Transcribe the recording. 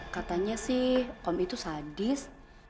katanya sih om itu sadis